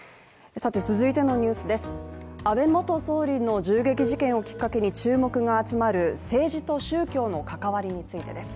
安倍元総理の銃撃事件をきっかけに注目が集まる政治と宗教の関わりについてです。